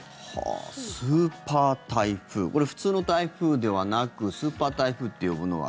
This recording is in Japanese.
これ、普通の台風ではなくスーパー台風と呼ぶのは？